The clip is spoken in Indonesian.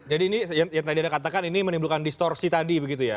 jadi ini yang tadi anda katakan ini menimbulkan distorsi tadi begitu ya